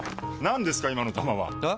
何ですか今の球は！え？